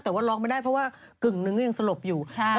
แต่ว่าร้องไม่ได้เพราะว่ากึ่งนึงก็ยังสลบอยู่